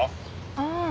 ああ。